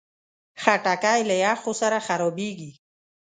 خټکی له یخو سره خرابېږي.